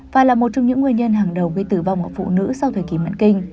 và là một trong những nguyên nhân hàng đầu gây tử vong ở phụ nữ sau thời kỳ mãn kinh